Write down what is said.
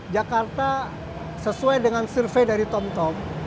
jakarta sesuai dengan survei dari tomtom